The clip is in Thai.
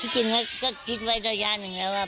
จริงก็คิดไว้ระยะหนึ่งแล้วว่า